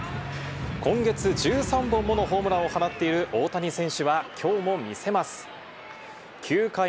今月１３本目ものホームランを放っている大谷選手はきょうもみせます。